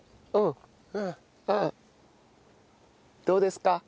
どうですか？